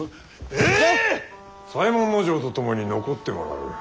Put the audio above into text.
左衛門尉と共に残ってもらう。